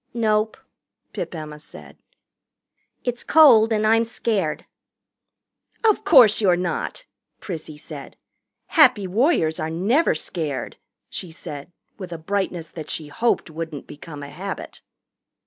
"Nope," Pip Emma said. "It's cold, and I'm scared." "Of course you're not," Prissy said. "Happy Warriors are never scared," she said with a brightness that she hoped wouldn't become a habit.